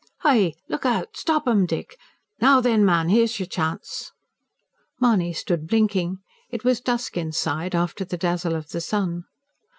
"Hi, look out, stop 'em, Dick! Now then, man, here's your chance!" Mahony stood blinking; it was dusk inside, after the dazzle of the sun.